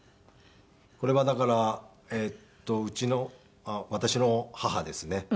これはだからうちの私の母ですね。